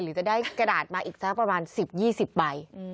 หรือจะได้กระดาษมาอีกครั้งหลัก๑๐๒๐ใบ